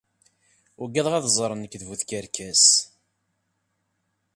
Ugadeɣ ad ẓren nekk d bu tkerkas.